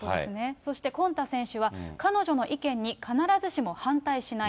そしてコンタ選手は彼女の意見に必ずしも反対しない。